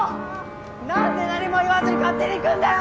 何で何も言わずに勝手に行くんだよ！